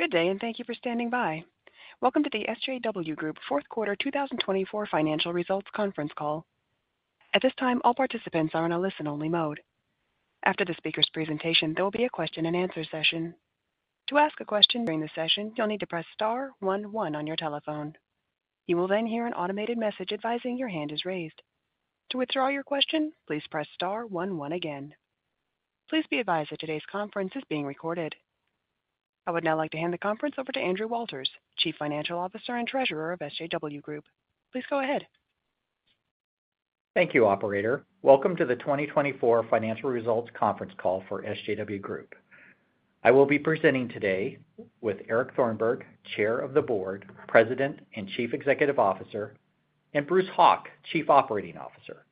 Good day, and thank you for standing by. Welcome to the SJW Group Fourth Quarter 2024 Financial Results Conference Call. At this time, all participants are in a listen-only mode. After the speaker's presentation, there will be a question-and-answer session. To ask a question during the session, you'll need to press star one one on your telephone. You will then hear an automated message advising your hand is raised. To withdraw your question, please press star one one again. Please be advised that today's conference is being recorded. I would now like to hand the conference over to Andrew Walters, Chief Financial Officer and Treasurer of SJW Group. Please go ahead. Thank you, Operator. Welcome to the 2024 Financial Results Conference Call for SJW Group. I will be presenting today with Eric Thornburg, Chair of the Board, President and Chief Executive Officer, and Bruce Hauk, Chief Operating Officer.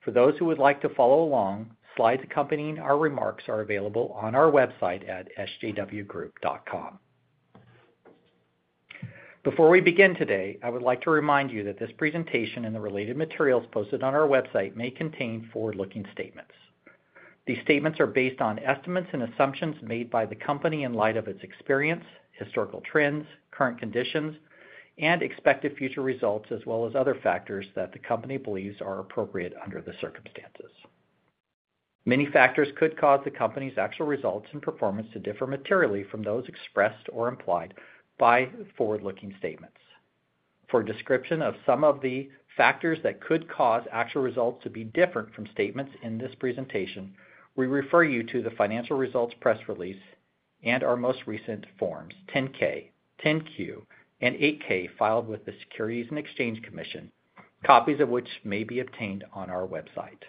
For those who would like to follow along, slides accompanying our remarks are available on our website at sjwgroup.com. Before we begin today, I would like to remind you that this presentation and the related materials posted on our website may contain forward-looking statements. These statements are based on estimates and assumptions made by the company in light of its experience, historical trends, current conditions, and expected future results, as well as other factors that the company believes are appropriate under the circumstances. Many factors could cause the company's actual results and performance to differ materially from those expressed or implied by forward-looking statements. For a description of some of the factors that could cause actual results to be different from statements in this presentation, we refer you to the financial results press release and our most recent Forms 10-K, 10-Q, and 8-K filed with the Securities and Exchange Commission, copies of which may be obtained on our website.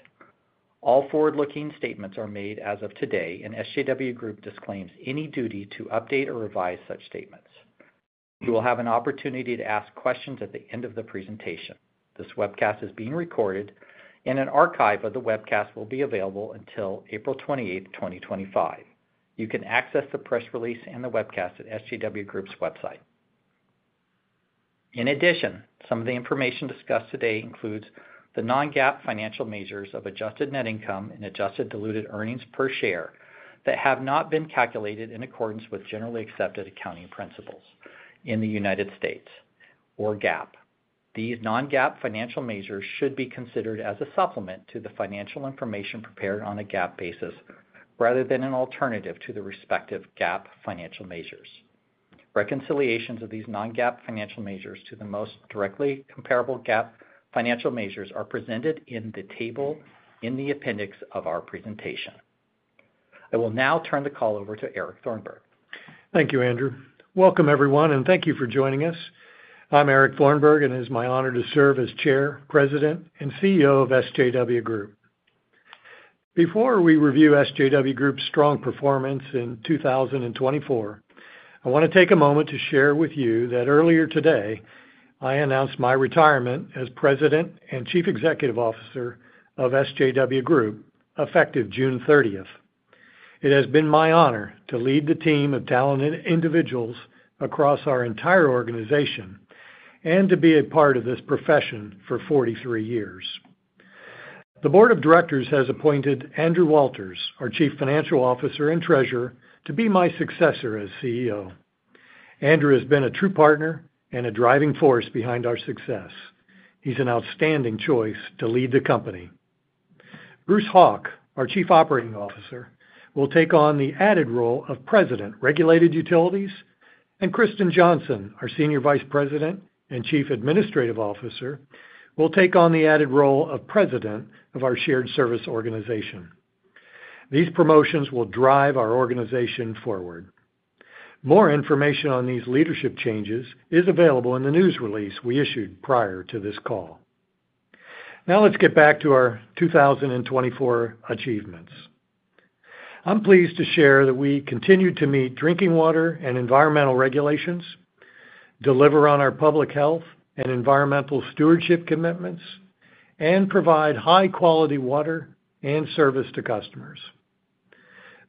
All forward-looking statements are made as of today, and SJW Group disclaims any duty to update or revise such statements. You will have an opportunity to ask questions at the end of the presentation. This webcast is being recorded, and an archive of the webcast will be available until April 28, 2025. You can access the press release and the webcast at SJW Group's website. In addition, some of the information discussed today includes the non-GAAP financial measures of adjusted net income and adjusted diluted earnings per share that have not been calculated in accordance with generally accepted accounting principles in the United States, or GAAP. These non-GAAP financial measures should be considered as a supplement to the financial information prepared on a GAAP basis rather than an alternative to the respective GAAP financial measures. Reconciliations of these non-GAAP financial measures to the most directly comparable GAAP financial measures are presented in the table in the appendix of our presentation. I will now turn the call over to Eric Thornburg. Thank you, Andrew. Welcome, everyone, and thank you for joining us. I'm Eric Thornburg, and it is my honor to serve as Chair, President, and CEO of SJW Group. Before we review SJW Group's strong performance in 2024, I want to take a moment to share with you that earlier today I announced my retirement as President and Chief Executive Officer of SJW Group, effective June 30. It has been my honor to lead the team of talented individuals across our entire organization and to be a part of this profession for 43 years. The Board of Directors has appointed Andrew Walters, our Chief Financial Officer and Treasurer, to be my successor as CEO. Andrew has been a true partner and a driving force behind our success. He's an outstanding choice to lead the company. Bruce Hauk, our Chief Operating Officer, will take on the added role of President, Regulated Utilities, and Kristen Johnson, our Senior Vice President and Chief Administrative Officer, will take on the added role of President of our Shared Service Organization. These promotions will drive our organization forward. More information on these leadership changes is available in the news release we issued prior to this call. Now let's get back to our 2024 achievements. I'm pleased to share that we continue to meet drinking water and environmental regulations, deliver on our public health and environmental stewardship commitments, and provide high-quality water and service to customers.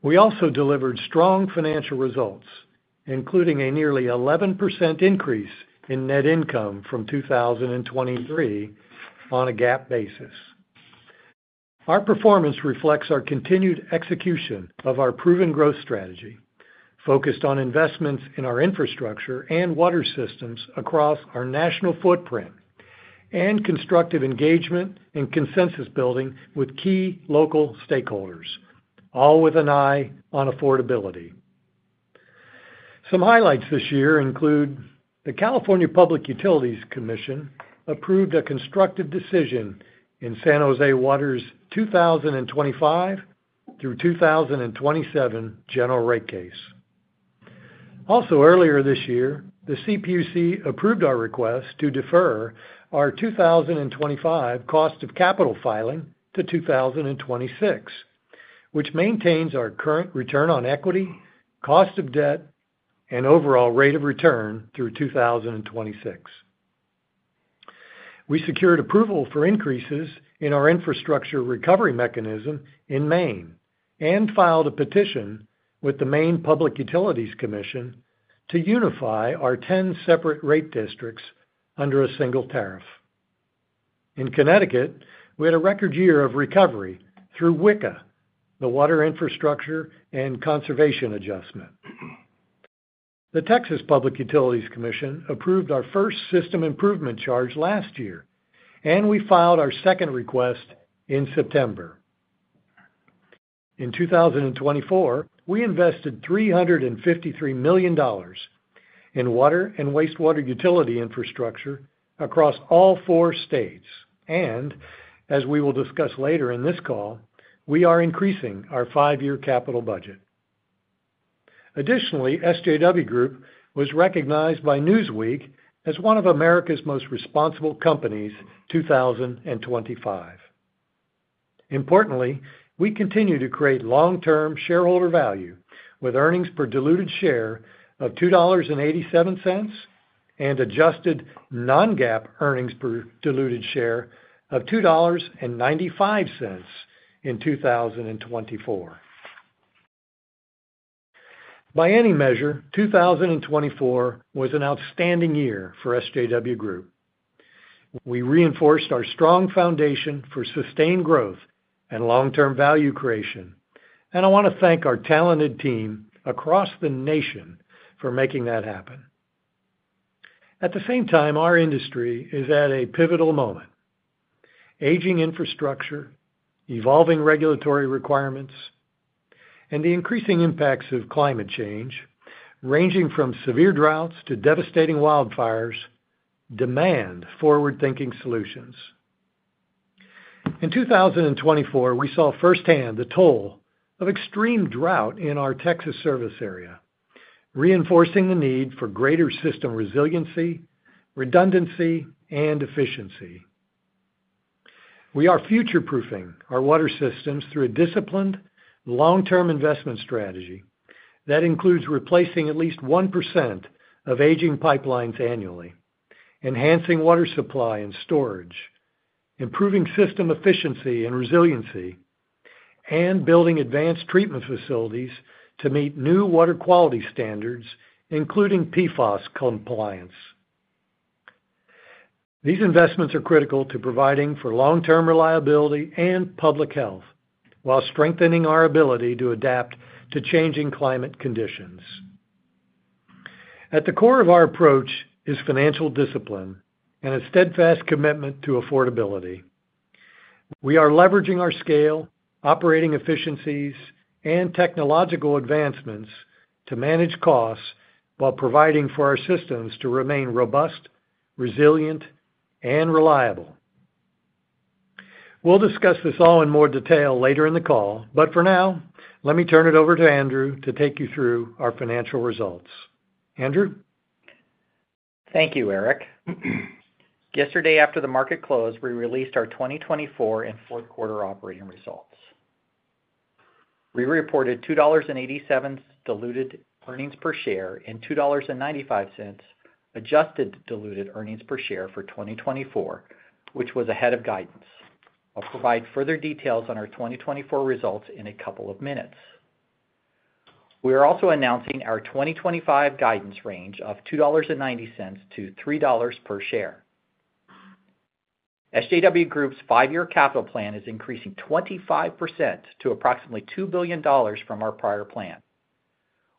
We also delivered strong financial results, including a nearly 11% increase in net income from 2023 on a GAAP basis. Our performance reflects our continued execution of our proven growth strategy, focused on investments in our infrastructure and water systems across our national footprint, and constructive engagement and consensus building with key local stakeholders, all with an eye on affordability. Some highlights this year include the California Public Utilities Commission approved a constructive decision in San Jose Water's 2025 through 2027 general rate case. Also, earlier this year, the CPUC approved our request to defer our 2025 cost of capital filing to 2026, which maintains our current return on equity, cost of debt, and overall rate of return through 2026. We secured approval for increases in our infrastructure recovery mechanism in Maine and filed a petition with the Maine Public Utilities Commission to unify our 10 separate rate districts under a single tariff. In Connecticut, we had a record year of recovery through WICA, the Water Infrastructure and Conservation Adjustment. The Public Utility Commission of Texas approved our first System Improvement Charge last year, and we filed our second request in September. In 2024, we invested $353 million in water and wastewater utility infrastructure across all four states, and as we will discuss later in this call, we are increasing our five-year capital budget. Additionally, SJW Group was recognized by Newsweek as one of America's Most Responsible Companies 2025. Importantly, we continue to create long-term shareholder value with diluted earnings per share of $2.87 and adjusted non-GAAP diluted earnings per share of $2.95 in 2024. By any measure, 2024 was an outstanding year for SJW Group. We reinforced our strong foundation for sustained growth and long-term value creation, and I want to thank our talented team across the nation for making that happen. At the same time, our industry is at a pivotal moment. Aging infrastructure, evolving regulatory requirements, and the increasing impacts of climate change, ranging from severe droughts to devastating wildfires, demand forward-thinking solutions. In 2024, we saw firsthand the toll of extreme drought in our Texas service area, reinforcing the need for greater system resiliency, redundancy, and efficiency. We are future-proofing our water systems through a disciplined, long-term investment strategy that includes replacing at least 1% of aging pipelines annually, enhancing water supply and storage, improving system efficiency and resiliency, and building advanced treatment facilities to meet new water quality standards, including PFAS compliance. These investments are critical to providing for long-term reliability and public health while strengthening our ability to adapt to changing climate conditions. At the core of our approach is financial discipline and a steadfast commitment to affordability. We are leveraging our scale, operating efficiencies, and technological advancements to manage costs while providing for our systems to remain robust, resilient, and reliable. We'll discuss this all in more detail later in the call, but for now, let me turn it over to Andrew to take you through our financial results. Andrew? Thank you, Eric. Yesterday, after the market closed, we released our 2024 and fourth quarter operating results. We reported $2.87 diluted earnings per share and $2.95 adjusted diluted earnings per share for 2024, which was ahead of guidance. I'll provide further details on our 2024 results in a couple of minutes. We are also announcing our 2025 guidance range of $2.90-$3 per share. SJW Group's five-year capital plan is increasing 25% to approximately $2 billion from our prior plan.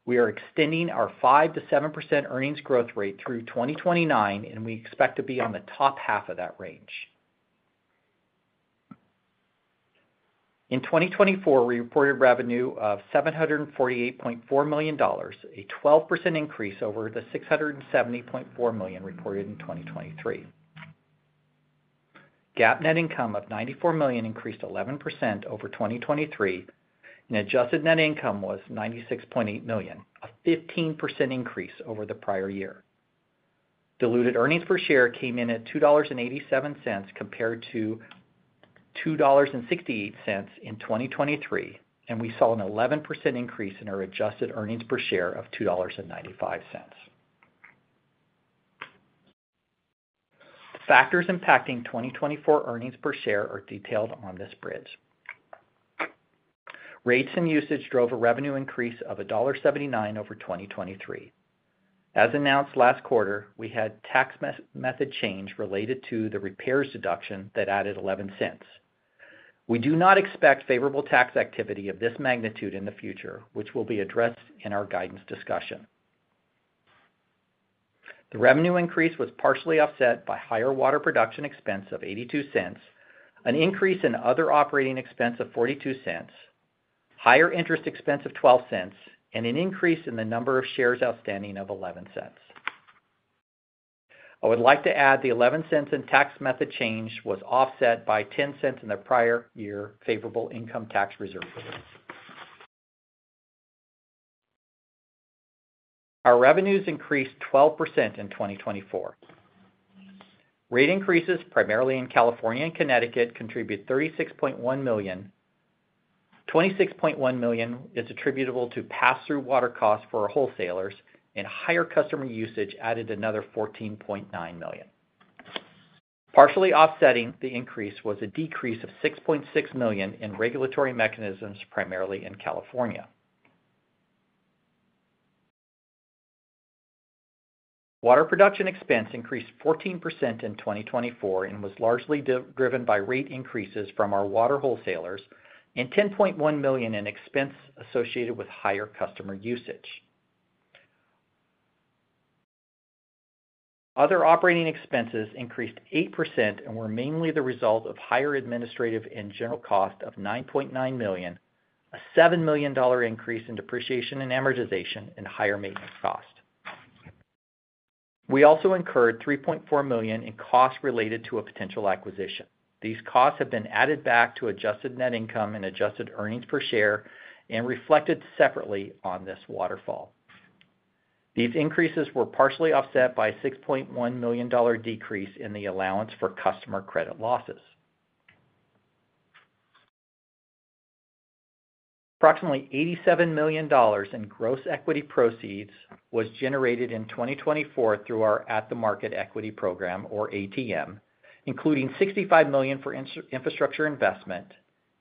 We are extending our 5%-7% earnings growth rate through 2029, and we expect to be on the top half of that range. In 2024, we reported revenue of $748.4 million, a 12% increase over the $670.4 million reported in 2023. GAAP net income of $94 million increased 11% over 2023, and adjusted net income was $96.8 million, a 15% increase over the prior year. Diluted earnings per share came in at $2.87 compared to $2.68 in 2023, and we saw an 11% increase in our adjusted earnings per share of $2.95. Factors impacting 2024 earnings per share are detailed on this bridge. Rates and usage drove a revenue increase of $1.79 over 2023. As announced last quarter, we had tax method change related to the repairs deduction that added $0.11. We do not expect favorable tax activity of this magnitude in the future, which will be addressed in our guidance discussion. The revenue increase was partially offset by higher water production expense of $0.82, an increase in other operating expense of $0.42, higher interest expense of $0.12, and an increase in the number of shares outstanding of $0.11. I would like to add the $0.11 in tax method change was offset by $0.10 in the prior year favorable income tax reserve. Our revenues increased 12% in 2024. Rate increases, primarily in California and Connecticut, contribute $36.1 million. $26.1 million is attributable to pass-through water costs for our wholesalers, and higher customer usage added another $14.9 million. Partially offsetting the increase was a decrease of $6.6 million in regulatory mechanisms, primarily in California. Water production expense increased 14% in 2024 and was largely driven by rate increases from our water wholesalers and $10.1 million in expense associated with higher customer usage. Other operating expenses increased 8% and were mainly the result of higher administrative and general cost of $9.9 million, a $7 million increase in depreciation and amortization, and higher maintenance cost. We also incurred $3.4 million in costs related to a potential acquisition. These costs have been added back to adjusted net income and adjusted earnings per share and reflected separately on this waterfall. These increases were partially offset by a $6.1 million decrease in the allowance for customer credit losses. Approximately $87 million in gross equity proceeds was generated in 2024 through our At the Market Equity Program, or ATM, including $65 million for infrastructure investment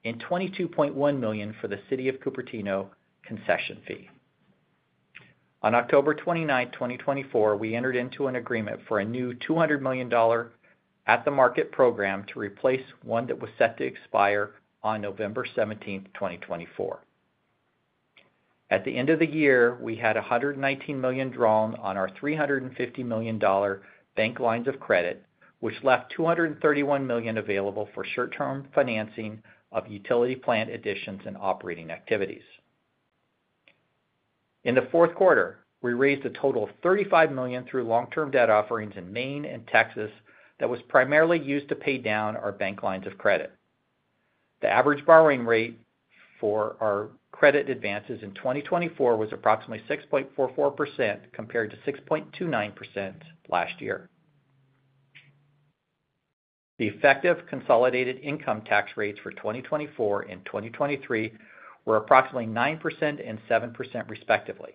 and $22.1 million for the City of Cupertino concession fee. On October 29th, 2024, we entered into an agreement for a new $200 million At the Market Program to replace one that was set to expire on November 17th, 2024. At the end of the year, we had $119 million drawn on our $350 million bank lines of credit, which left $231 million available for short-term financing of utility plant additions and operating activities. In the fourth quarter, we raised a total of $35 million through long-term debt offerings in Maine and Texas that was primarily used to pay down our bank lines of credit. The average borrowing rate for our credit advances in 2024 was approximately 6.44% compared to 6.29% last year. The effective consolidated income tax rates for 2024 and 2023 were approximately 9% and 7% respectively.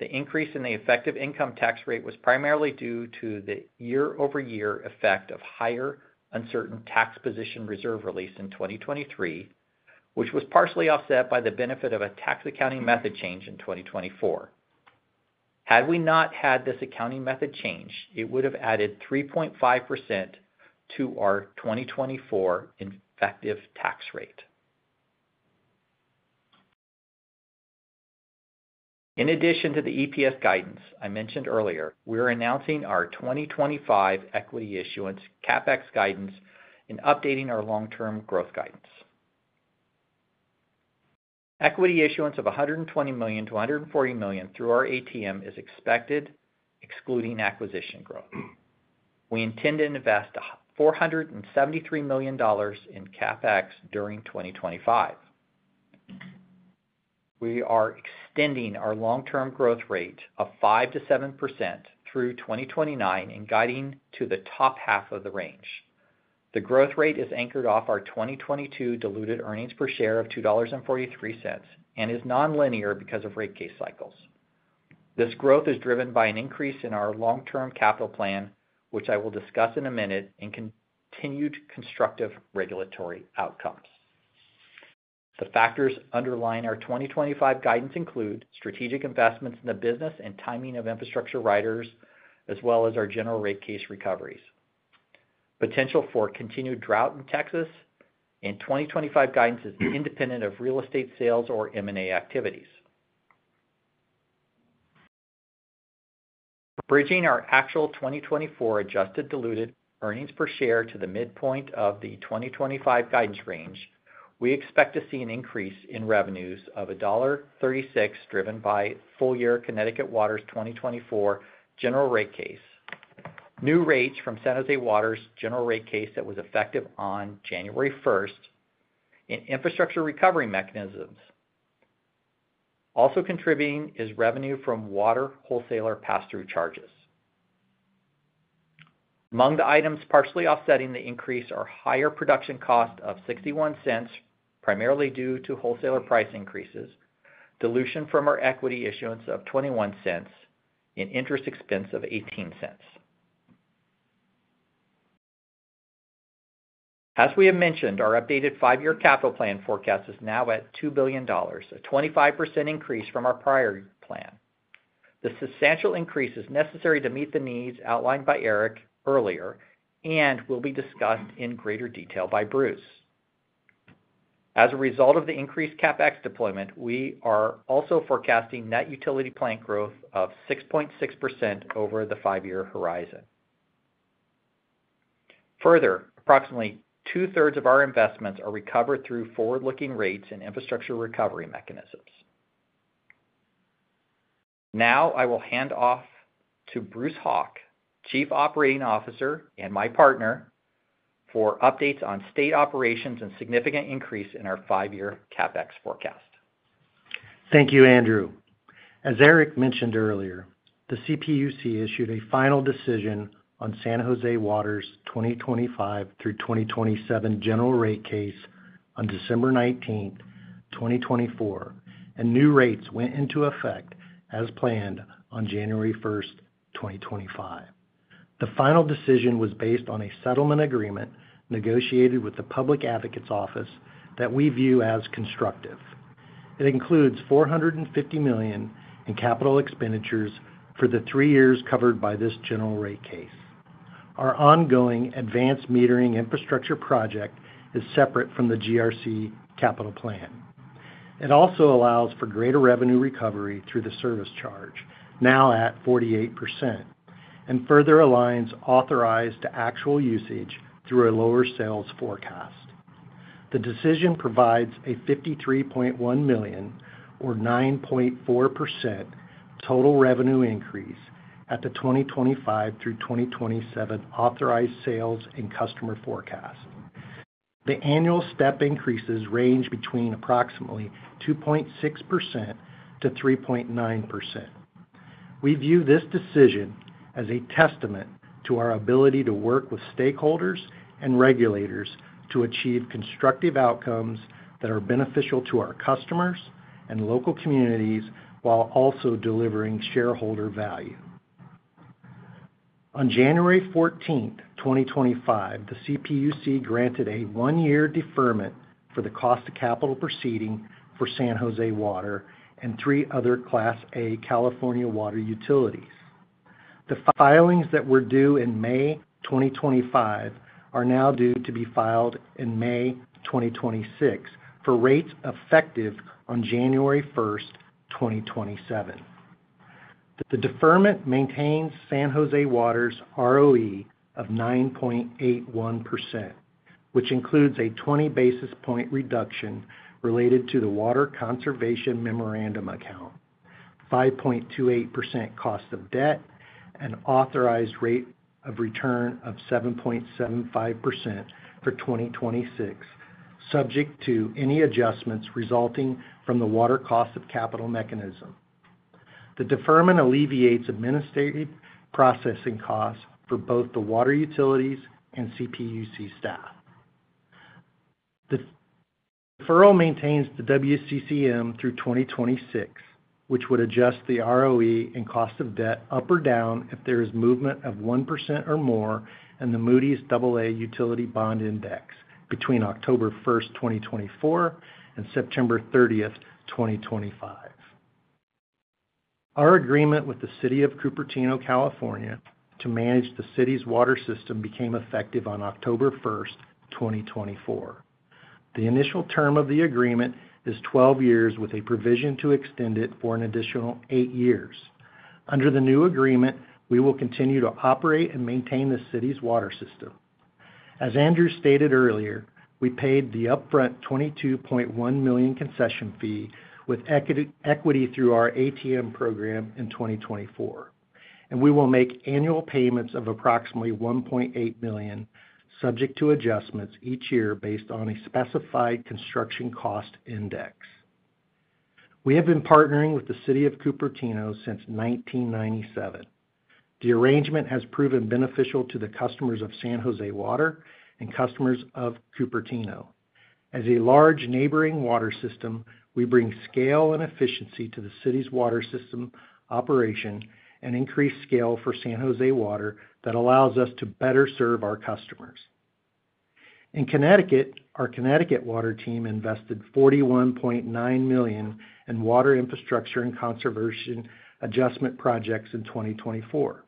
The increase in the effective income tax rate was primarily due to the year-over-year effect of higher uncertain tax position reserve release in 2023, which was partially offset by the benefit of a tax accounting method change in 2024. Had we not had this accounting method change, it would have added 3.5% to our 2024 effective tax rate. In addition to the EPS guidance I mentioned earlier, we are announcing our 2025 Equity Issuance CapEx Guidance and updating our long-term growth guidance. Equity issuance of $120 million-$140 million through our ATM is expected, excluding acquisition growth. We intend to invest $473 million in CapEx during 2025. We are extending our long-term growth rate of 5%-7% through 2029 and guiding to the top half of the range. The growth rate is anchored off our 2022 diluted earnings per share of $2.43 and is non-linear because of rate case cycles. This growth is driven by an increase in our long-term capital plan, which I will discuss in a minute, and continued constructive regulatory outcomes. The factors underlying our 2025 guidance include strategic investments in the business and timing of infrastructure riders, as well as our general rate case recoveries. Potential for continued drought in Texas and 2025 guidance is independent of real estate sales or M&A activities. Bridging our actual 2024 adjusted diluted earnings per share to the midpoint of the 2025 guidance range, we expect to see an increase in revenues of $1.36 driven by full-year Connecticut Water's 2024 general rate case, new rates from San Jose Water's general rate case that was effective on January 1st, and infrastructure recovery mechanisms. Also contributing is revenue from water wholesaler pass-through charges. Among the items partially offsetting the increase are higher production cost of $0.61, primarily due to wholesaler price increases, dilution from our equity issuance of $0.21, and interest expense of $0.18. As we have mentioned, our updated five-year capital plan forecast is now at $2 billion, a 25% increase from our prior plan. The substantial increase is necessary to meet the needs outlined by Eric earlier and will be discussed in greater detail by Bruce. As a result of the increased CapEx deployment, we are also forecasting net utility plant growth of 6.6% over the five-year horizon. Further, approximately two-thirds of our investments are recovered through forward-looking rates and infrastructure recovery mechanisms. Now I will hand off to Bruce Hauk, Chief Operating Officer and my partner, for updates on state operations and significant increase in our five-year CapEx forecast. Thank you, Andrew. As Eric mentioned earlier, the CPUC issued a final decision on San Jose Water's 2025 through 2027 general rate case on December 19, 2024, and new rates went into effect as planned on January 1, 2025. The final decision was based on a settlement agreement negotiated with the Public Advocates Office that we view as constructive. It includes $450 million in capital expenditures for the three years covered by this general rate case. Our ongoing advanced metering infrastructure project is separate from the GRC capital plan. It also allows for greater revenue recovery through the service charge, now at 48%, and further aligns authorized to actual usage through a lower sales forecast. The decision provides a $53.1 million, or 9.4% total revenue increase, at the 2025 through 2027 authorized sales and customer forecast. The annual step increases range between approximately 2.6% to 3.9%. We view this decision as a testament to our ability to work with stakeholders and regulators to achieve constructive outcomes that are beneficial to our customers and local communities while also delivering shareholder value. On January 14, 2025, the CPUC granted a one-year deferment for the cost of capital proceeding for San Jose Water and three other Class A California water utilities. The filings that were due in May 2025 are now due to be filed in May 2026 for rates effective on January 1st, 2027. The deferment maintains San Jose Water's ROE of 9.81%, which includes a 20 basis point reduction related to the Water Conservation Memorandum Account, 5.28% cost of debt, and authorized rate of return of 7.75% for 2026, subject to any adjustments resulting from the Water Cost of Capital Mechanism. The deferment alleviates administrative processing costs for both the water utilities and CPUC staff. The deferral maintains the WCCM through 2026, which would adjust the ROE and cost of debt up or down if there is movement of 1% or more in the Moody's Aa Utility Bond Index between October 1st, 2024, and September 30th, 2025. Our agreement with the City of Cupertino, California, to manage the city's water system became effective on October 1st, 2024. The initial term of the agreement is 12 years, with a provision to extend it for an additional eight years. Under the new agreement, we will continue to operate and maintain the city's water system. As Andrew stated earlier, we paid the upfront $22.1 million concession fee with equity through our ATM program in 2024, and we will make annual payments of approximately $1.8 million, subject to adjustments each year based on a specified construction cost index. We have been partnering with the City of Cupertino since 1997. The arrangement has proven beneficial to the customers of San Jose Water and customers of Cupertino. As a large neighboring water system, we bring scale and efficiency to the city's water system operation and increase scale for San Jose Water that allows us to better serve our customers. In Connecticut, our Connecticut Water team invested $41.9 million in water infrastructure and conservation adjustment projects in 2024,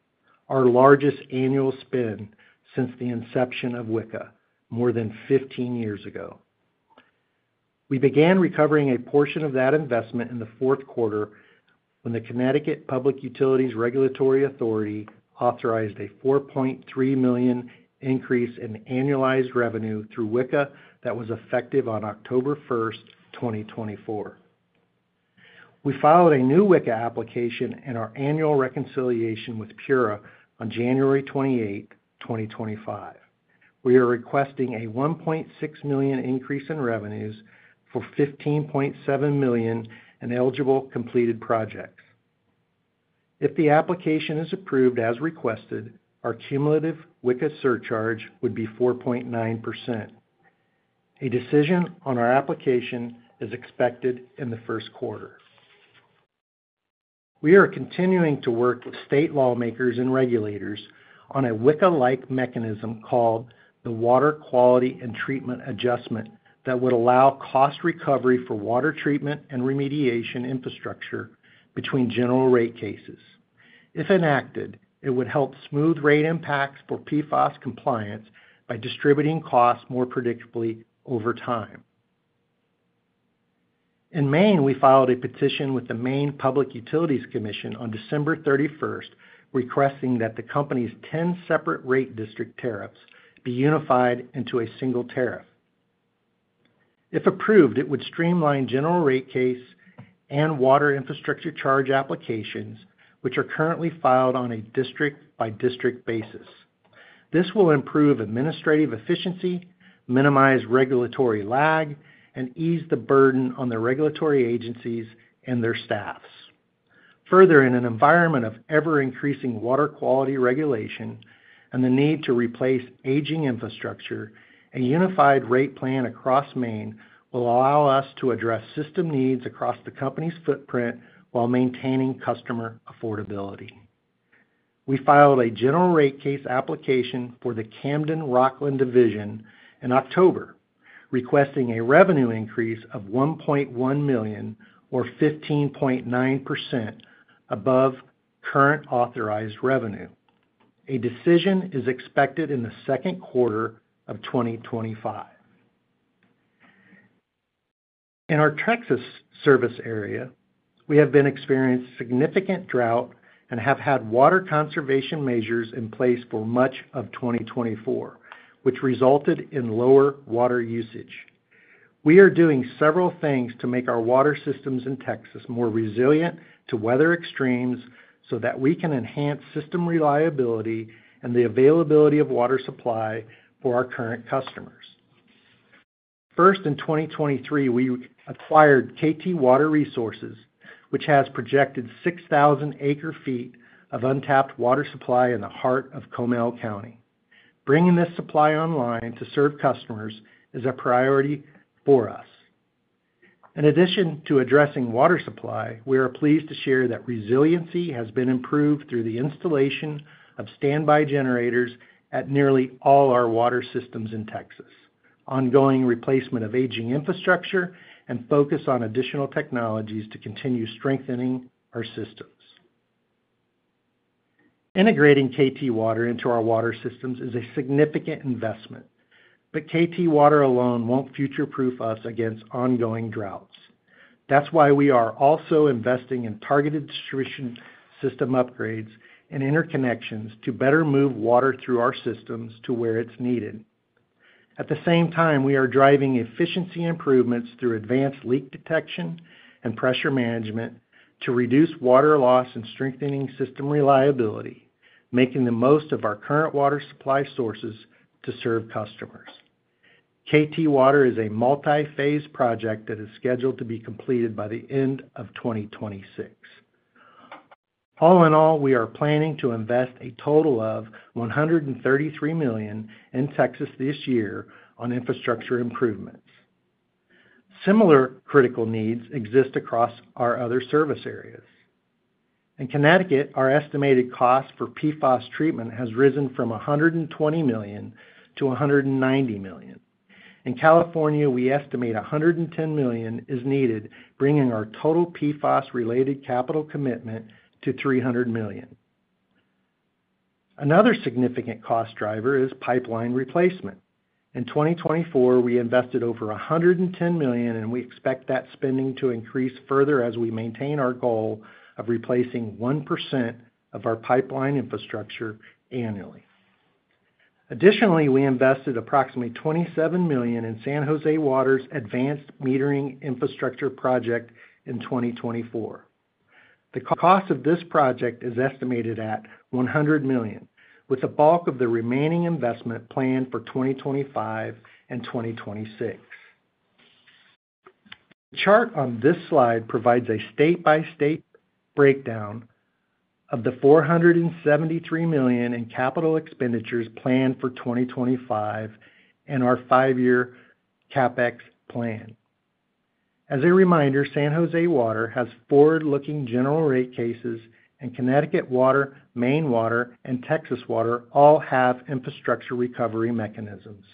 our largest annual spend since the inception of WICA, more than 15 years ago. We began recovering a portion of that investment in the fourth quarter when the Connecticut Public Utilities Regulatory Authority authorized a $4.3 million increase in annualized revenue through WICA that was effective on October 1st, 2024. We filed a new WICA application in our annual reconciliation with PURA on January 28, 2025. We are requesting a $1.6 million increase in revenues for $15.7 million in eligible completed projects. If the application is approved as requested, our cumulative WICA surcharge would be 4.9%. A decision on our application is expected in the first quarter. We are continuing to work with state lawmakers and regulators on a WICA-like mechanism called the Water Quality and Treatment Adjustment that would allow cost recovery for water treatment and remediation infrastructure between general rate cases. If enacted, it would help smooth rate impacts for PFAS compliance by distributing costs more predictably over time. In Maine, we filed a petition with the Maine Public Utilities Commission on December 31st, requesting that the company's 10 separate rate district tariffs be unified into a single tariff. If approved, it would streamline general rate case and water infrastructure charge applications, which are currently filed on a district-by-district basis. This will improve administrative efficiency, minimize regulatory lag, and ease the burden on the regulatory agencies and their staffs. Further, in an environment of ever-increasing water quality regulation and the need to replace aging infrastructure, a unified rate plan across Maine will allow us to address system needs across the company's footprint while maintaining customer affordability. We filed a general rate case application for the Camden-Rockland Division in October, requesting a revenue increase of $1.1 million, or 15.9% above current authorized revenue. A decision is expected in the second quarter of 2025. In our Texas service area, we have been experiencing significant drought and have had water conservation measures in place for much of 2024, which resulted in lower water usage. We are doing several things to make our water systems in Texas more resilient to weather extremes so that we can enhance system reliability and the availability of water supply for our current customers. First, in 2023, we acquired KT Water Resources, which has projected 6,000 acre-feet of untapped water supply in the heart of Comal County. Bringing this supply online to serve customers is a priority for us. In addition to addressing water supply, we are pleased to share that resiliency has been improved through the installation of standby generators at nearly all our water systems in Texas, ongoing replacement of aging infrastructure, and focus on additional technologies to continue strengthening our systems. Integrating KT Water into our water systems is a significant investment, but KT Water alone won't future-proof us against ongoing droughts. That's why we are also investing in targeted distribution system upgrades and interconnections to better move water through our systems to where it's needed. At the same time, we are driving efficiency improvements through advanced leak detection and pressure management to reduce water loss and strengthening system reliability, making the most of our current water supply sources to serve customers. KT Water is a multi-phase project that is scheduled to be completed by the end of 2026. All in all, we are planning to invest a total of $133 million in Texas this year on infrastructure improvements. Similar critical needs exist across our other service areas. In Connecticut, our estimated cost for PFAS treatment has risen from $120 million to $190 million. In California, we estimate $110 million is needed, bringing our total PFAS-related capital commitment to $300 million. Another significant cost driver is pipeline replacement. In 2024, we invested over $110 million, and we expect that spending to increase further as we maintain our goal of replacing 1% of our pipeline infrastructure annually. Additionally, we invested approximately $27 million in San Jose Water's advanced metering infrastructure project in 2024. The cost of this project is estimated at $100 million, with the bulk of the remaining investment planned for 2025 and 2026. The chart on this slide provides a state-by-state breakdown of the $473 million in capital expenditures planned for 2025 and our five-year CapEx plan. As a reminder, San Jose Water has forward-looking general rate cases, and Connecticut Water, Maine Water, and Texas Water all have infrastructure recovery mechanisms.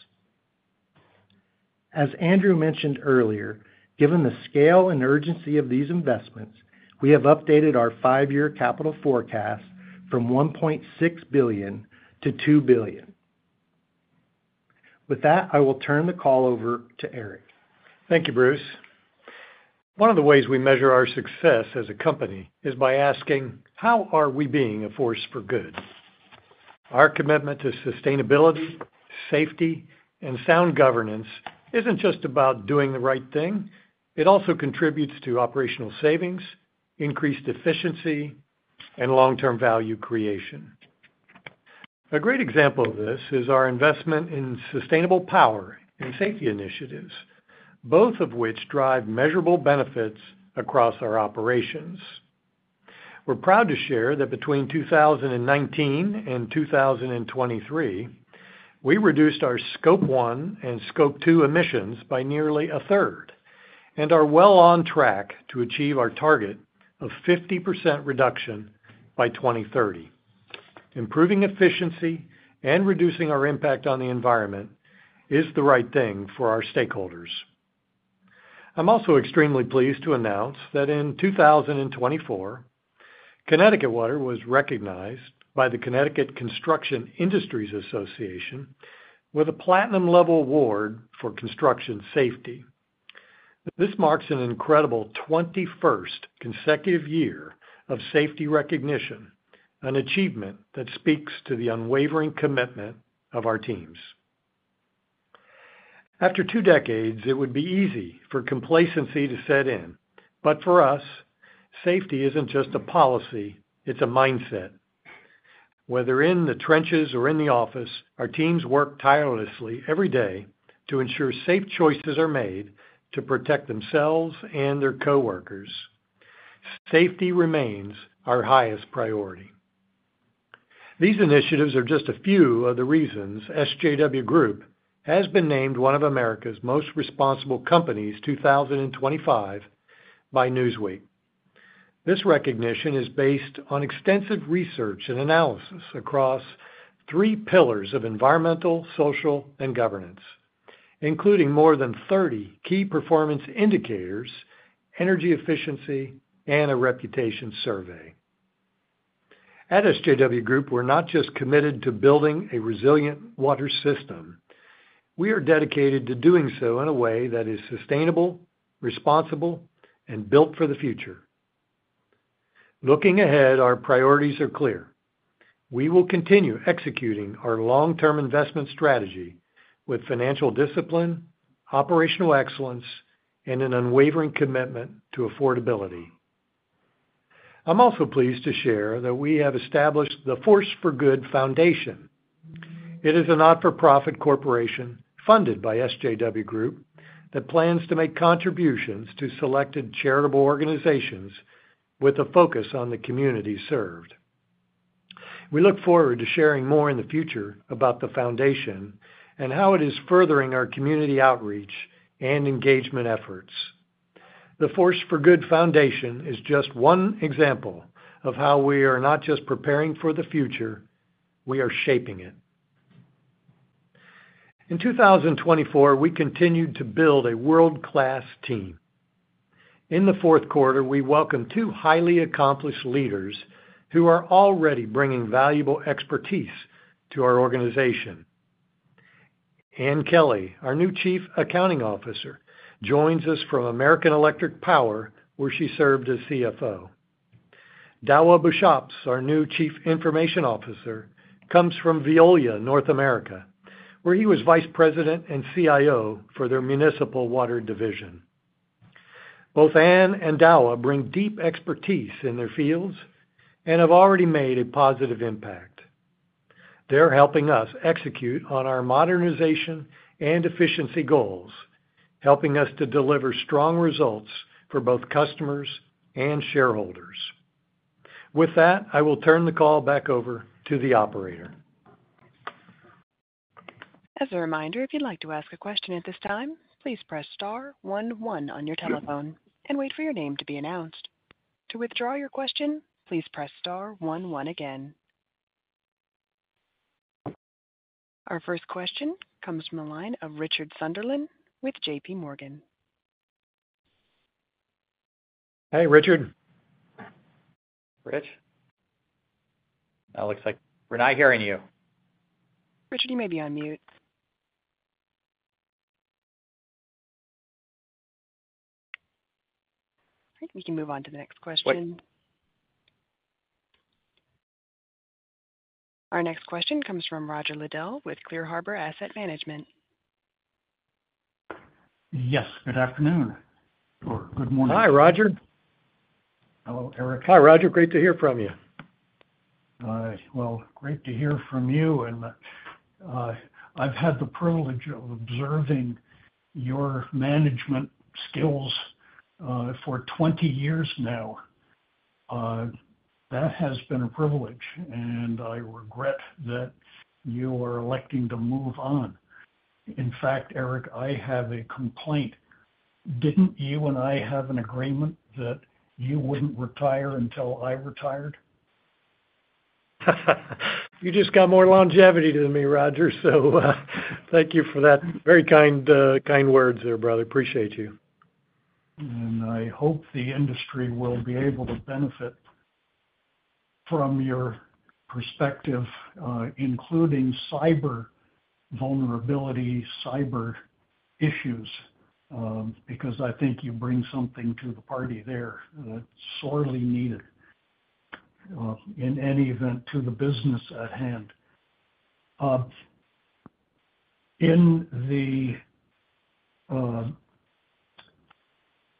As Andrew mentioned earlier, given the scale and urgency of these investments, we have updated our five-year capital forecast from $1.6 billion to $2 billion. With that, I will turn the call over to Eric. Thank you, Bruce. One of the ways we measure our success as a company is by asking, how are we being a force for good? Our commitment to sustainability, safety, and sound governance isn't just about doing the right thing. It also contributes to operational savings, increased efficiency, and long-term value creation. A great example of this is our investment in sustainable power and safety initiatives, both of which drive measurable benefits across our operations. We're proud to share that between 2019 and 2023, we reduced our Scope 1 and Scope 2 emissions by nearly a third and are well on track to achieve our target of 50% reduction by 2030. Improving efficiency and reducing our impact on the environment is the right thing for our stakeholders. I'm also extremely pleased to announce that in 2024, Connecticut Water was recognized by the Connecticut Construction Industries Association with a Platinum-level award for construction safety. This marks an incredible 21st consecutive year of safety recognition, an achievement that speaks to the unwavering commitment of our teams. After two decades, it would be easy for complacency to set in, but for us, safety isn't just a policy, it's a mindset. Whether in the trenches or in the office, our teams work tirelessly every day to ensure safe choices are made to protect themselves and their coworkers. Safety remains our highest priority. These initiatives are just a few of the reasons SJW Group has been named one of America's Most Responsible Companies 2025 by Newsweek. This recognition is based on extensive research and analysis across three pillars of environmental, social, and governance, including more than 30 key performance indicators, energy efficiency, and a reputation survey. At SJW Group, we're not just committed to building a resilient water system. We are dedicated to doing so in a way that is sustainable, responsible, and built for the future. Looking ahead, our priorities are clear. We will continue executing our long-term investment strategy with financial discipline, operational excellence, and an unwavering commitment to affordability. I'm also pleased to share that we have established the Force for Good Foundation. It is a not-for-profit corporation funded by SJW Group that plans to make contributions to selected charitable organizations with a focus on the community served. We look forward to sharing more in the future about the foundation and how it is furthering our community outreach and engagement efforts. The Force for Good Foundation is just one example of how we are not just preparing for the future. We are shaping it. In 2024, we continued to build a world-class team. In the fourth quarter, we welcomed two highly accomplished leaders who are already bringing valuable expertise to our organization. Ann Kelly, our new Chief Accounting Officer, joins us from American Electric Power, where she served as CFO. Douwe Busschops, our new Chief Information Officer, comes from Veolia North America, where he was Vice President and CIO for their Municipal Water Division. Both Ann and Douwe bring deep expertise in their fields and have already made a positive impact. They're helping us execute on our modernization and efficiency goals, helping us to deliver strong results for both customers and shareholders. With that, I will turn the call back over to the operator. As a reminder, if you'd like to ask a question at this time, please press star one one on your telephone and wait for your name to be announced. To withdraw your question, please press star one one again. Our first question comes from the line of Richard Sunderland with JPMorgan. Hey, Richard. Rich? That looks like we're not hearing you. Richard, you may be on mute. All right. We can move on to the next question. Our next question comes from Roger Liddell with Clear Harbor Asset Management. Yes. Good afternoon or good morning. Hi, Roger. Hello, Eric. Hi, Roger. Great to hear from you. All right. Well, great to hear from you. And I've had the privilege of observing your management skills for 20 years now. That has been a privilege, and I regret that you are electing to move on. In fact, Eric, I have a complaint. Didn't you and I have an agreement that you wouldn't retire until I retired? You just got more longevity than me, Roger. So thank you for that. Very kind words there, brother. Appreciate you. I hope the industry will be able to benefit from your perspective, including cyber vulnerability, cyber issues, because I think you bring something to the party there that's sorely needed, in any event, to the business at hand. In the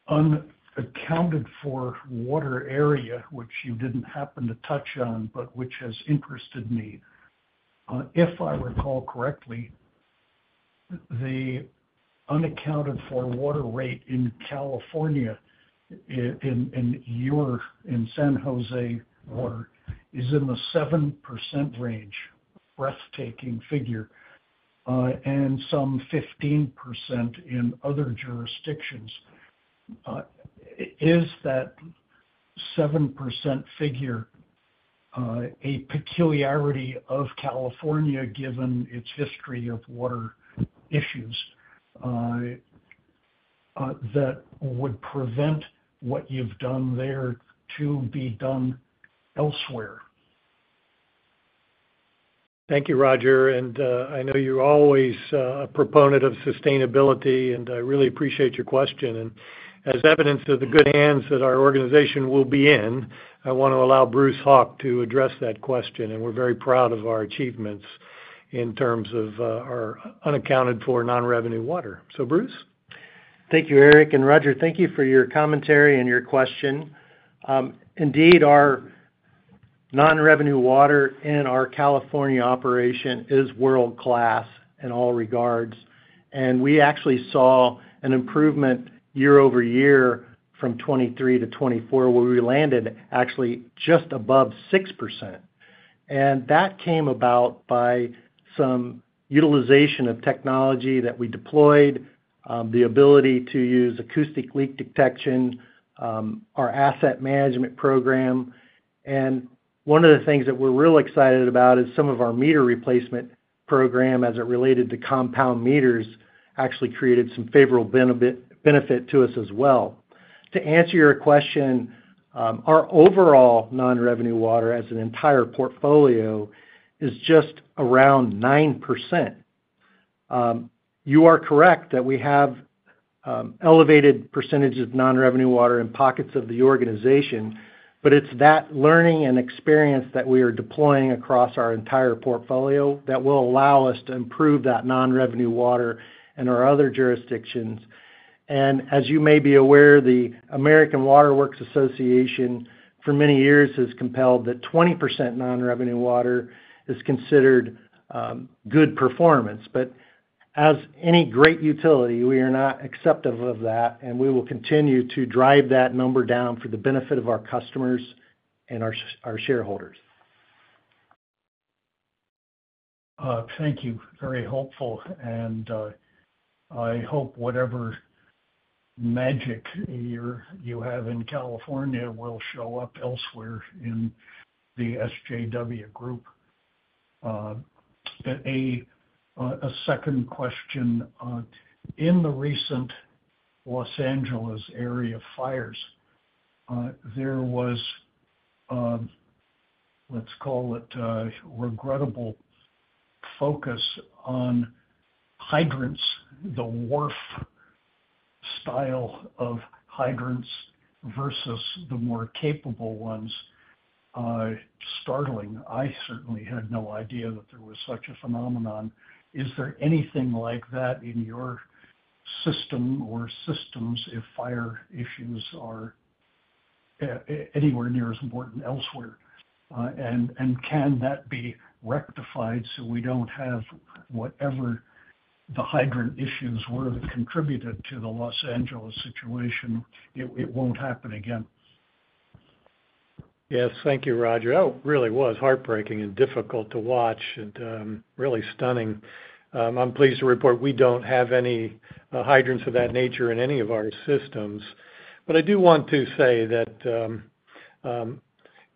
unaccounted-for water area, which you didn't happen to touch on, but which has interested me, if I recall correctly, the unaccounted-for water rate in California and yours in San Jose Water is in the 7% range, breathtaking figure, and some 15% in other jurisdictions. Is that 7% figure a peculiarity of California, given its history of water issues, that would prevent what you've done there to be done elsewhere? Thank you, Roger. And I know you're always a proponent of sustainability, and I really appreciate your question. And as evidence of the good hands that our organization will be in, I want to allow Bruce Hauk to address that question. And we're very proud of our achievements in terms of our unaccounted-for non-revenue water. So, Bruce? Thank you, Eric. And Roger, thank you for your commentary and your question. Indeed, our non-revenue water in our California operation is world-class in all regards. And we actually saw an improvement year-over-year from 2023 to 2024, where we landed actually just above 6%. And that came about by some utilization of technology that we deployed, the ability to use acoustic leak detection, our asset management program. And one of the things that we're real excited about is some of our meter replacement program, as it related to compound meters, actually created some favorable benefit to us as well. To answer your question, our overall non-revenue water as an entire portfolio is just around 9%. You are correct that we have elevated percentages of non-revenue water in pockets of the organization, but it's that learning and experience that we are deploying across our entire portfolio that will allow us to improve that non-revenue water in our other jurisdictions, and as you may be aware, the American Water Works Association, for many years, has compelled that 20% non-revenue water is considered good performance, but as any great utility, we are not accepting of that, and we will continue to drive that number down for the benefit of our customers and our shareholders. Thank you. Very hopeful. And I hope whatever magic you have in California will show up elsewhere in the SJW Group. A second question. In the recent Los Angeles area fires, there was, let's call it, regrettable focus on hydrants, the wharf-style of hydrants versus the more capable ones. Startling. I certainly had no idea that there was such a phenomenon. Is there anything like that in your system or systems if fire issues are anywhere near as important elsewhere? And can that be rectified so we don't have whatever the hydrant issues were that contributed to the Los Angeles situation? It won't happen again. Yes. Thank you, Roger. Oh, it really was heartbreaking and difficult to watch and really stunning. I'm pleased to report we don't have any hydrants of that nature in any of our systems. But I do want to say that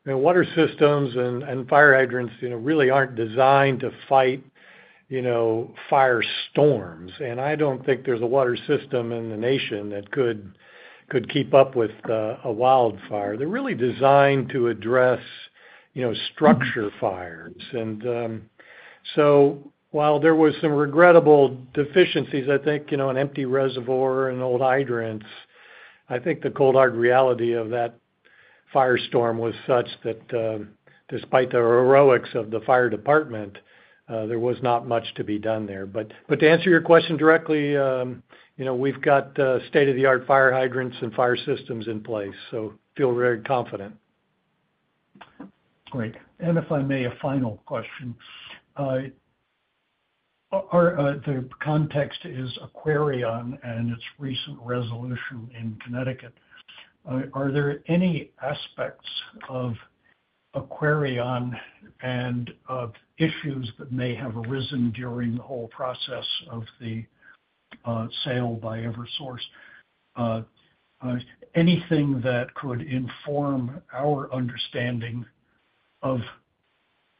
water systems and fire hydrants really aren't designed to fight fire storms, and I don't think there's a water system in the nation that could keep up with a wildfire. They're really designed to address structure fires, and so while there were some regrettable deficiencies, I think an empty reservoir and old hydrants, I think the cold, hard reality of that firestorm was such that despite the heroics of the fire department, there was not much to be done there, but to answer your question directly, we've got state-of-the-art fire hydrants and fire systems in place, so feel very confident. Great. And if I may, a final question. The context is Aquarion and its recent resolution in Connecticut. Are there any aspects of Aquarion and of issues that may have arisen during the whole process of the sale by Eversource? Anything that could inform our understanding of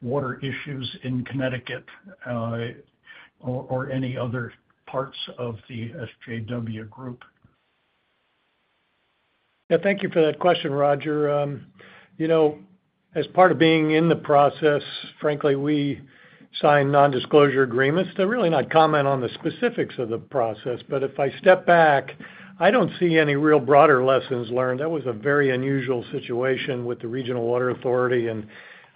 water issues in Connecticut or any other parts of the SJW Group? Yeah. Thank you for that question, Roger. As part of being in the process, frankly, we signed non-disclosure agreements. So we're really not able to comment on the specifics of the process. But if I step back, I don't see any real broader lessons learned. That was a very unusual situation with the Regional Water Authority and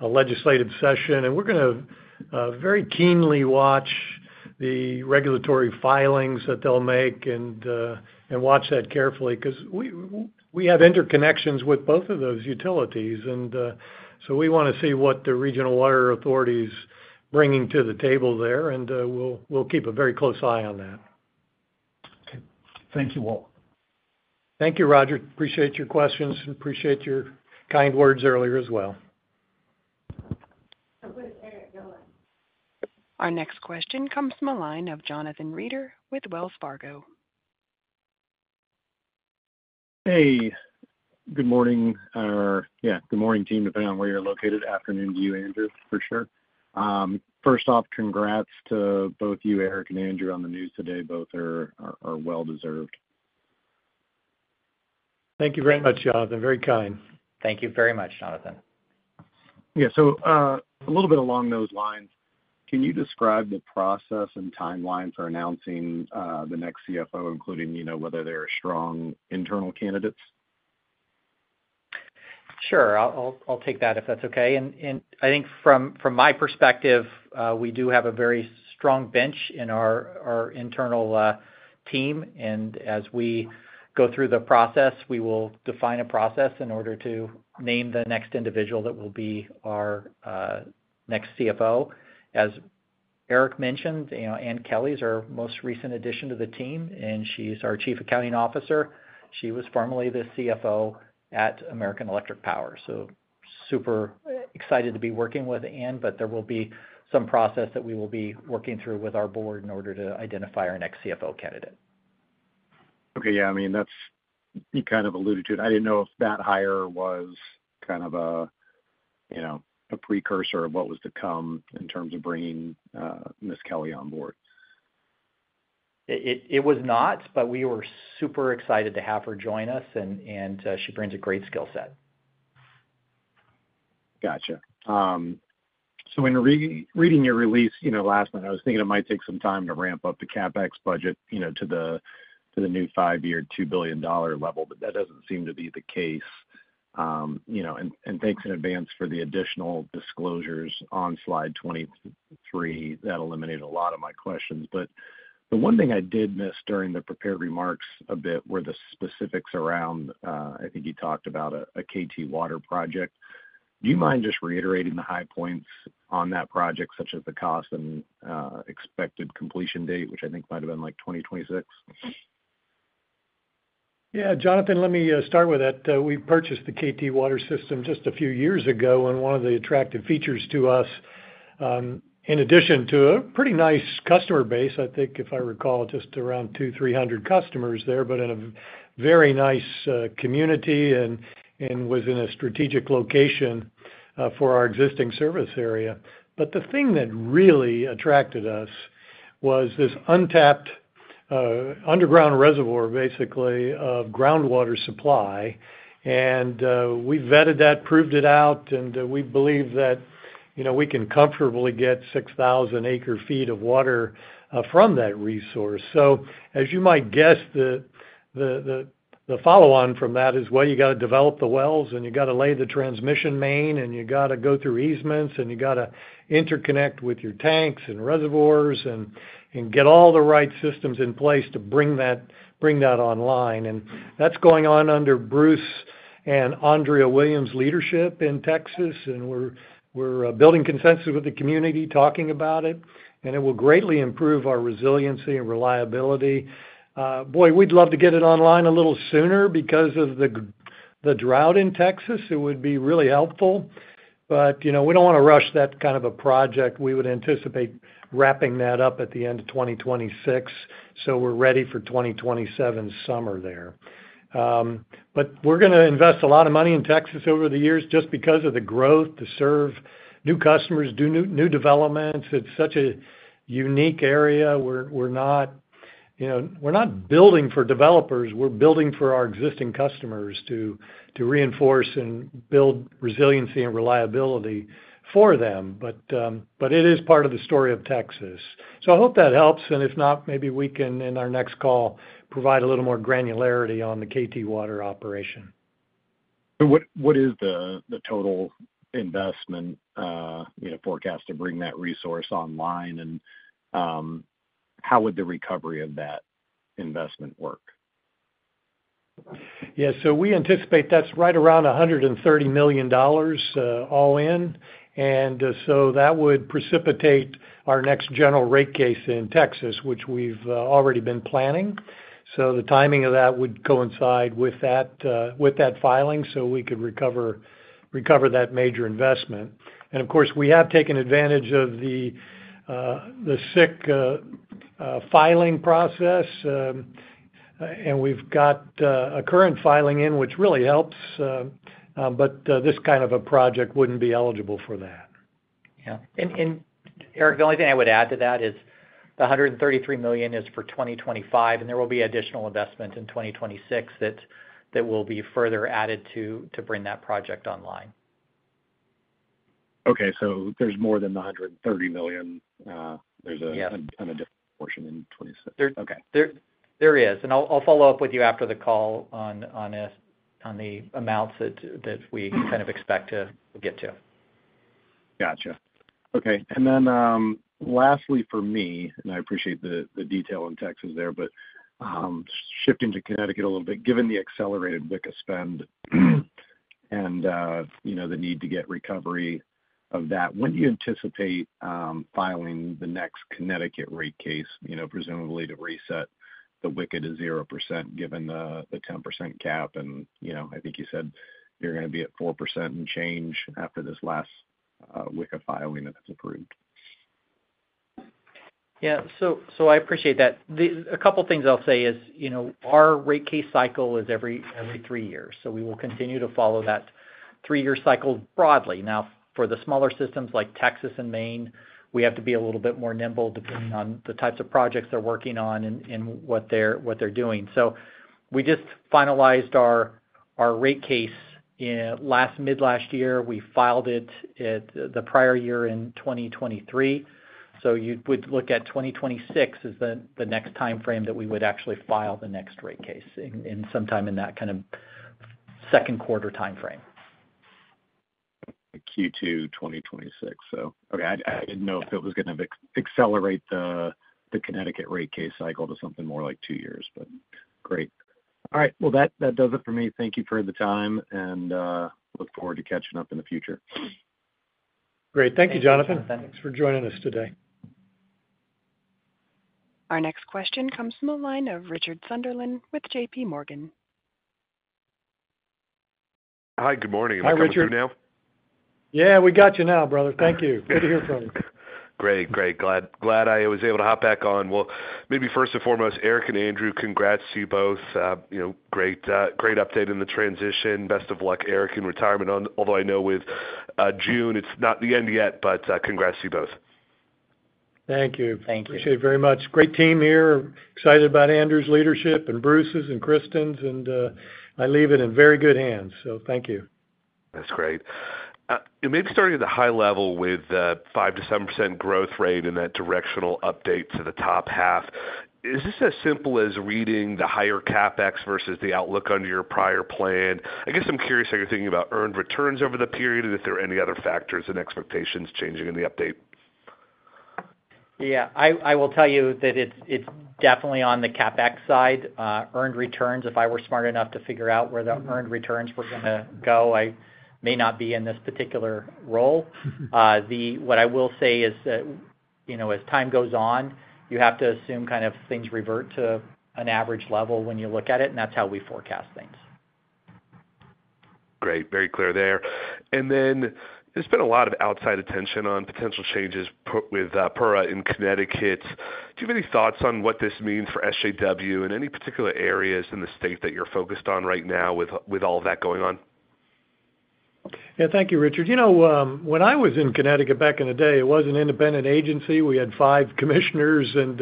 a legislative session. And we're going to very keenly watch the regulatory filings that they'll make and watch that carefully because we have interconnections with both of those utilities. And so we want to see what the Regional Water Authority is bringing to the table there, and we'll keep a very close eye on that. Okay. Thank you all. Thank you, Roger. Appreciate your questions and appreciate your kind words earlier as well. Our next question comes from a line of Jonathan Reeder with Wells Fargo. Hey. Good morning. Yeah. Good morning, team, depending on where you're located. Afternoon to you, Andrew, for sure. First off, congrats to both you, Eric, and Andrew on the news today. Both are well-deserved. Thank you very much, Jonathan. Very kind. Thank you very much, Jonathan. Yeah. So a little bit along those lines, can you describe the process and timeline for announcing the next CFO, including whether there are strong internal candidates? Sure. I'll take that if that's okay. And I think from my perspective, we do have a very strong bench in our internal team. And as we go through the process, we will define a process in order to name the next individual that will be our next CFO. As Eric mentioned, Ann Kelly is our most recent addition to the team, and she's our Chief Accounting Officer. She was formerly the CFO at American Electric Power. So super excited to be working with Ann, but there will be some process that we will be working through with our board in order to identify our next CFO candidate. Okay. Yeah. I mean, you kind of alluded to it. I didn't know if that hire was kind of a precursor of what was to come in terms of bringing Ms. Kelly on board. It was not, but we were super excited to have her join us, and she brings a great skill set. Gotcha. So in reading your release last night, I was thinking it might take some time to ramp up the CapEx budget to the new five-year, $2 billion level, but that doesn't seem to be the case. And thanks in advance for the additional disclosures on slide 23. That eliminated a lot of my questions. But the one thing I did miss during the prepared remarks a bit were the specifics around, I think you talked about a KT Water project. Do you mind just reiterating the high points on that project, such as the cost and expected completion date, which I think might have been like 2026? Yeah. Jonathan, let me start with that. We purchased the KT water system just a few years ago, and one of the attractive features to us, in addition to a pretty nice customer base, I think, if I recall, just around 2,300 customers there, but in a very nice community and was in a strategic location for our existing service area. But the thing that really attracted us was this untapped underground reservoir, basically, of groundwater supply. And we vetted that, proved it out, and we believe that we can comfortably get 6,000 acre-feet of water from that resource. As you might guess, the follow-on from that is, well, you got to develop the wells, and you got to lay the transmission main, and you got to go through easements, and you got to interconnect with your tanks and reservoirs and get all the right systems in place to bring that online. That's going on under Bruce and Andrea Williams' leadership in Texas. We're building consensus with the community, talking about it, and it will greatly improve our resiliency and reliability. Boy, we'd love to get it online a little sooner because of the drought in Texas. It would be really helpful. We don't want to rush that kind of a project. We would anticipate wrapping that up at the end of 2026, so we're ready for the 2027 summer there. But we're going to invest a lot of money in Texas over the years just because of the growth to serve new customers, do new developments. It's such a unique area. We're not building for developers. We're building for our existing customers to reinforce and build resiliency and reliability for them. But it is part of the story of Texas. So I hope that helps. And if not, maybe we can, in our next call, provide a little more granularity on the KT Water operation. What is the total investment forecast to bring that resource online? And how would the recovery of that investment work? Yeah. So we anticipate that's right around $130 million all in. And so that would precipitate our next general rate case in Texas, which we've already been planning. So the timing of that would coincide with that filing so we could recover that major investment. And of course, we have taken advantage of the SIC filing process, and we've got a current filing in, which really helps. But this kind of a project wouldn't be eligible for that. Yeah, and Eric, the only thing I would add to that is the $133 million is for 2025, and there will be additional investment in 2026 that will be further added to bring that project online. Okay. So there's more than the $130 million. There's a different portion in 2026. There is. And I'll follow up with you after the call on the amounts that we kind of expect to get to. Gotcha. Okay. And then lastly, for me, and I appreciate the detail in Texas there, but shifting to Connecticut a little bit, given the accelerated WICA spend and the need to get recovery of that, when do you anticipate filing the next Connecticut rate case, presumably to reset the WICA to 0% given the 10% cap? And I think you said you're going to be at 4% and change after this last WICA filing that's approved. Yeah. So I appreciate that. A couple of things I'll say is our rate case cycle is every three years. So we will continue to follow that three-year cycle broadly. Now, for the smaller systems like Texas and Maine, we have to be a little bit more nimble depending on the types of projects they're working on and what they're doing. So we just finalized our rate case mid-last year. We filed it the prior year in 2023. So you would look at 2026 as the next timeframe that we would actually file the next rate case in sometime in that kind of second quarter timeframe. Q2 2026. So, okay. I didn't know if it was going to accelerate the Connecticut rate case cycle to something more like two years, but great. All right. Well, that does it for me. Thank you for the time, and look forward to catching up in the future. Great. Thank you, Jonathan. Thanks for joining us today. Our next question comes from a line of Richard Sunderland with JPMorgan. Hi. Good morning. Am I coming through now? Hi, Richard. Yeah. We got you now, brother. Thank you. Good to hear from you. Great. Great. Glad I was able to hop back on. Well, maybe first and foremost, Eric and Andrew, congrats to you both. Great update in the transition. Best of luck, Eric, in retirement. Although I know with June, it's not the end yet, but congrats to you both. Thank you. Thank you. Appreciate it very much. Great team here. Excited about Andrew's leadership and Bruce's and Kristen's, and I leave it in very good hands, so thank you. That's great. Maybe starting at the high level with the 5%-7% growth rate and that directional update to the top half. Is this as simple as reading the higher CapEx versus the outlook under your prior plan? I guess I'm curious how you're thinking about earned returns over the period and if there are any other factors and expectations changing in the update. Yeah. I will tell you that it's definitely on the CapEx side. Earned returns, if I were smart enough to figure out where the earned returns were going to go, I may not be in this particular role. What I will say is that as time goes on, you have to assume kind of things revert to an average level when you look at it, and that's how we forecast things. Great. Very clear there, and then there's been a lot of outside attention on potential changes with PURA in Connecticut. Do you have any thoughts on what this means for SJW and any particular areas in the state that you're focused on right now with all of that going on? Yeah. Thank you, Richard. When I was in Connecticut back in the day, it was an independent agency. We had five commissioners, and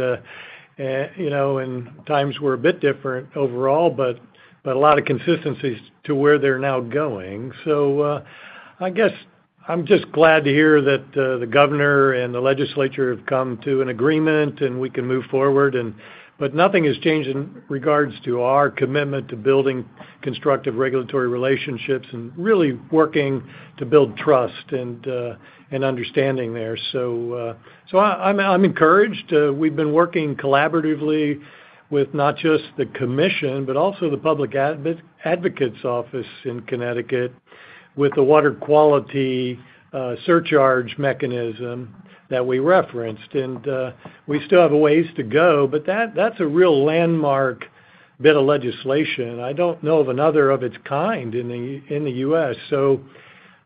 times were a bit different overall, but a lot of consistency to where they're now going. So I guess I'm just glad to hear that the governor and the legislature have come to an agreement, and we can move forward. But nothing has changed in regards to our commitment to building constructive regulatory relationships and really working to build trust and understanding there. So I'm encouraged. We've been working collaboratively with not just the commission, but also the Public Advocate's Office in Connecticut with the water quality surcharge mechanism that we referenced. And we still have a ways to go, but that's a real landmark bit of legislation. I don't know of another of its kind in the U.S. So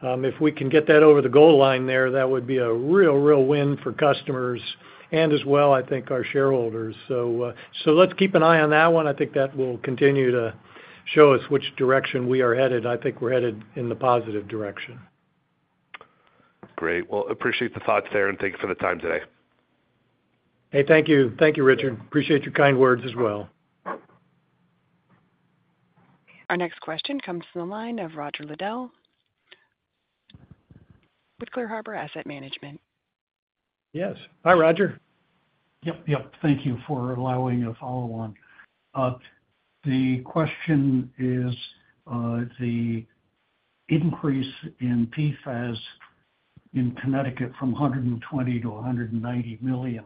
if we can get that over the goal line there, that would be a real, real win for customers and as well, I think, our shareholders. So let's keep an eye on that one. I think that will continue to show us which direction we are headed. I think we're headed in the positive direction. Great. Well, appreciate the thoughts there, and thank you for the time today. Hey, thank you. Thank you, Richard. Appreciate your kind words as well. Our next question comes from the line of Roger Liddell with Clear Harbor Asset Management. Yes. Hi, Roger. Yep. Yep. Thank you for allowing a follow-on. The question is the increase in PFAS in Connecticut from $120 million to $190 million.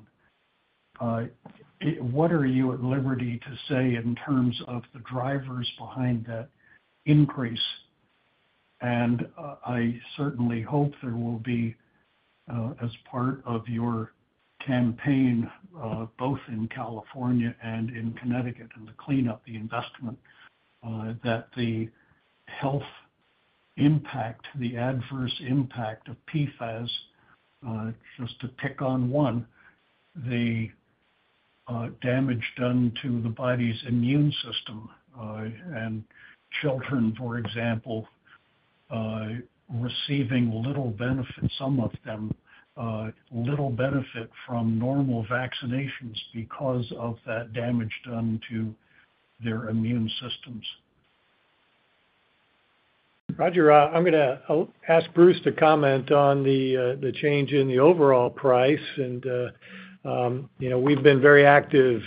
What are you at liberty to say in terms of the drivers behind that increase? And I certainly hope there will be, as part of your campaign, both in California and in Connecticut, and the cleanup, the investment, that the health impact, the adverse impact of PFAS, just to pick on one, the damage done to the body's immune system, and children, for example, receiving little benefit, some of them, little benefit from normal vaccinations because of that damage done to their immune systems. Roger, I'm going to ask Bruce to comment on the change in the overall price. We've been very active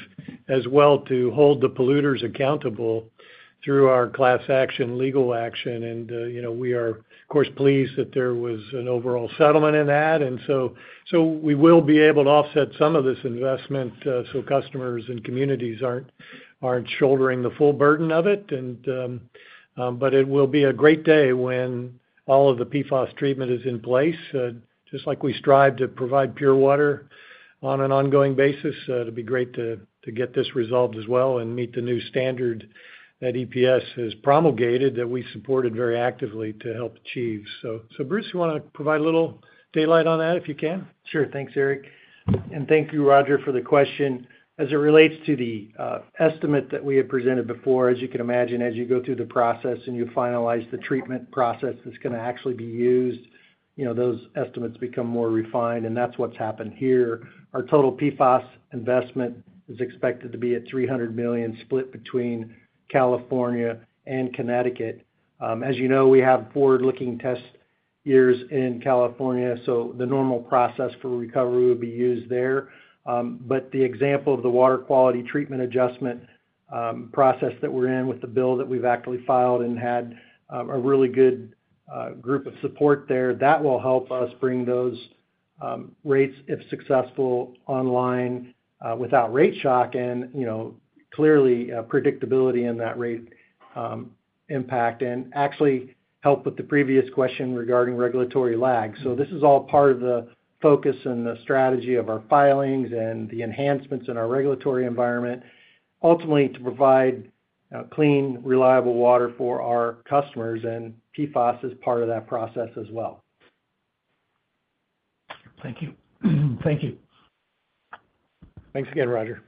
as well to hold the polluters accountable through our class action legal action. We are, of course, pleased that there was an overall settlement in that. We will be able to offset some of this investment so customers and communities aren't shouldering the full burden of it. It will be a great day when all of the PFAS treatment is in place. Just like we strive to provide pure water on an ongoing basis, it'd be great to get this resolved as well and meet the new standard that EPS has promulgated that we supported very actively to help achieve. So Bruce, you want to provide a daylight on that if you can? Sure. Thanks, Eric. And thank you, Roger, for the question. As it relates to the estimate that we had presented before, as you can imagine, as you go through the process and you finalize the treatment process that's going to actually be used, those estimates become more refined. And that's what's happened here. Our total PFAS investment is expected to be $300 million, split between California and Connecticut. As you know, we have forward-looking test years in California, so the normal process for recovery would be used there. But the example of the water quality treatment adjustment process that we're in with the bill that we've actually filed and had a really good group of support there, that will help us bring those rates, if successful, online without rate shock and clearly predictability in that rate impact and actually help with the previous question regarding regulatory lag. This is all part of the focus and the strategy of our filings and the enhancements in our regulatory environment, ultimately to provide clean, reliable water for our customers. PFAS is part of that process as well. Thank you. Thank you. Thanks again, Roger.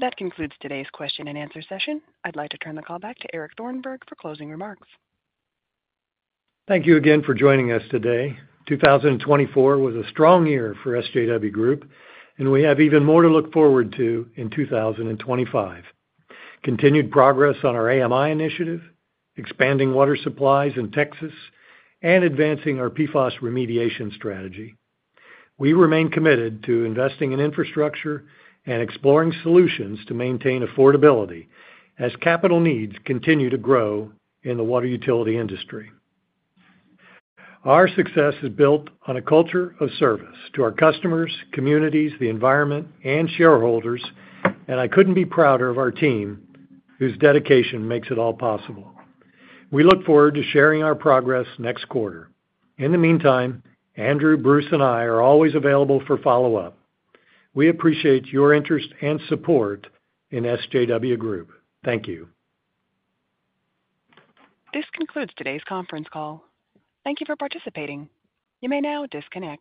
That concludes today's question and answer session. I'd like to turn the call back to Eric Thornburg for closing remarks. Thank you again for joining us today. 2024 was a strong year for SJW Group, and we have even more to look forward to in 2025. Continued progress on our AMI initiative, expanding water supplies in Texas, and advancing our PFAS remediation strategy. We remain committed to investing in infrastructure and exploring solutions to maintain affordability as capital needs continue to grow in the water utility industry. Our success is built on a culture of service to our customers, communities, the environment, and shareholders, and I couldn't be prouder of our team whose dedication makes it all possible. We look forward to sharing our progress next quarter. In the meantime, Andrew, Bruce, and I are always available for follow-up. We appreciate your interest and support in SJW Group. Thank you. This concludes today's conference call. Thank you for participating. You may now disconnect.